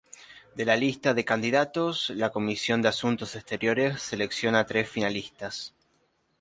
De la lista de candidatos, la comisión de Asuntos Exteriores selecciona a tres "finalistas".